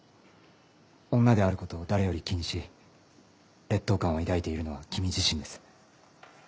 女である事を誰より気にし劣等感を抱いているのは君自身です。